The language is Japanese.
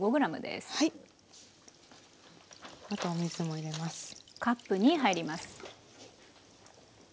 あとお水も入れます。